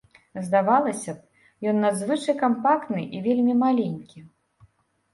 Здавалася б, ён надзвычай кампактны і вельмі маленькі.